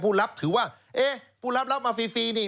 รับถือว่าเอ๊ะผู้รับรับมาฟรีนี่